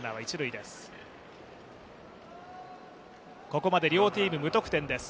ここまで両チーム無得点です。